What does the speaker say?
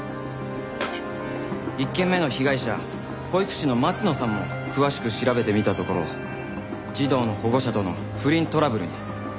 １件目の被害者保育士の松野さんも詳しく調べてみたところ児童の保護者との不倫トラブルに。